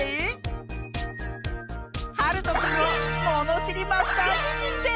はるとくんをものしりマスターににんてい！